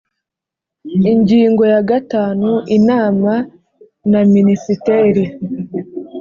Ingingo ya gatanu Inama na Minisiteri